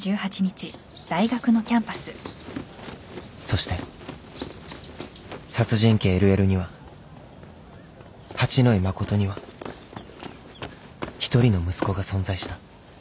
［そして殺人鬼・ＬＬには八野衣真には一人の息子が存在した］